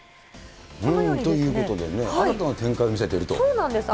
ということでね、新たな展開そうなんです。